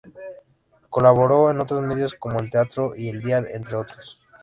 Colaboró en otros medios como "El Teatro" y "El Día", entre otros.